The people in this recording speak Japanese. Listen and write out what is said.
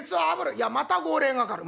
「いやまた号令がかかる」。